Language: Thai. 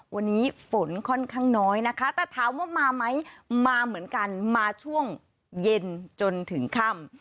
วันนี้ฝนค่อนข้างน้อยนะคะแต่ถามว่ามาไหมมาเหมือนกันมาช่วงเย็นจนถึงค่ำ